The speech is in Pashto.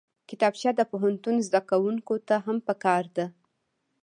کتابچه د پوهنتون زدکوونکو ته هم پکار ده